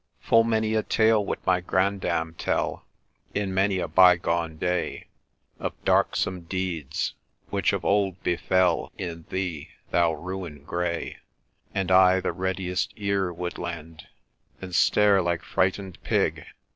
Full many a tale would my Grandam tell, In many a bygone day, Of darksome deeds, which of old befell . In thee, thoxi Ruin grey ! And I the readiest ear would lend, 'And stare like frighten'd pig